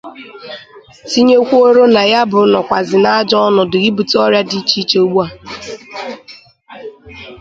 tinyekwuoro na ya bụ nọkwazị n'ajọ ọnọdụ ibute ọrịa dị iche iche ugbua